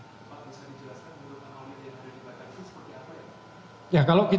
bagaimana bisa dijelaskan untuk anonim yang ada di belakang ini